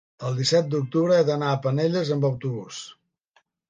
el disset d'octubre he d'anar a Penelles amb autobús.